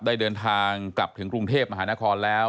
ได้เดินทางกลับถึงกรุงเทพมหานครแล้ว